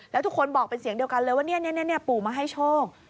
แล้วทุกคนบอกเป็นเสียงเดียวกันเลยว่านี่ปู่มาให้โชค